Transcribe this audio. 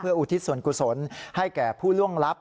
อุทิศส่วนกุศลให้แก่ผู้ล่วงลับ